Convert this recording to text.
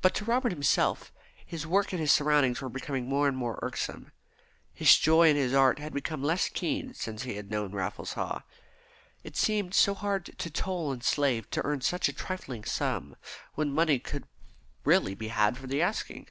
But to Robert himself, his work and his surroundings were becoming more and more irksome. His joy in his art had become less keen since he had known Raffles Haw. It seemed so hard to toll and slave to earn such a trifling sum, when money could really be had for the asking.